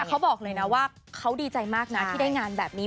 เขาบอกเลยนะว่าเขาดีใจมากนะที่ได้งานแบบนี้